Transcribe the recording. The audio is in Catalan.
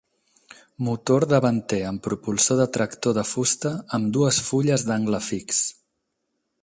Motor davanter amb propulsor de tractor de fusta amb dues fulles d'angle fix.